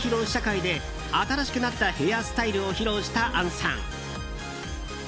試写会で新しくなったヘアスタイルを披露した杏さん。